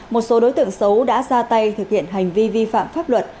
một số đối tượng xấu đã ra tay thực hiện hành vi vi phạm pháp luật